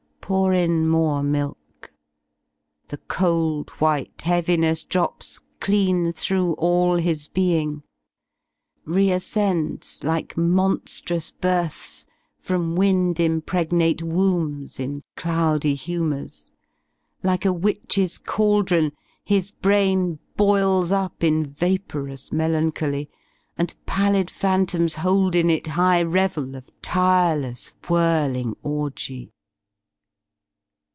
Pour in more milk: the cold white heaviness Drops clean through all his beingy re ascends Like mon^rou/S births from wind impregnate wombs In cloudy humours: like a witch's cauldron His brain boils up in vaporous melancholy. And pallid phantoms hold in it high revel Of tireless whirling orgy.